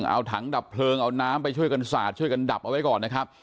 เอาถังดับเพลิงเอาน้ำไปช่วยกันสาดช่วยกันดับเอาไว้ก่อนนะครับ